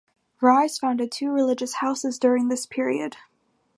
Rhys founded two religious houses during this period.